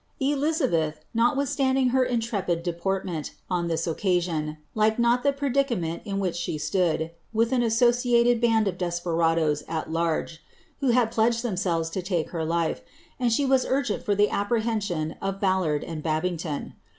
^ Eliiabeth, notwithstanding her intrepid deportment^ on this occasion, Hwd not the predicament in which she stood, with an associated band of desperadoes at large, who had pledged themselves to take her life* and she was nigent for the apprehension of Ballard and Babington.